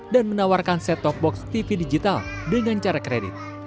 dan menawarkan set top box tv digital dengan cara kredit